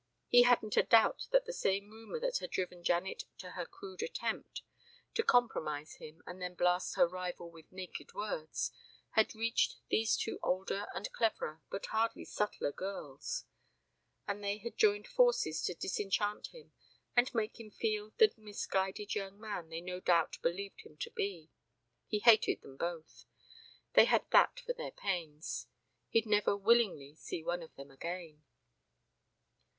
He hadn't a doubt that the same rumor that had driven Janet to her crude attempt, to compromise him and then blast her rival with naked words, had reached these two older and cleverer, but hardly subtler girls, and they had joined forces to disenchant him and make him feel the misguided young man they no doubt believed him to be. He hated them both. They had that for their pains. He'd never willingly see one of them again.